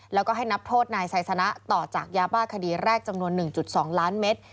แล้วก็ให้นับโทษนายไซสนะต่อจากยาบ้าคดีแรกจำนวน๑๒ล้านเมตร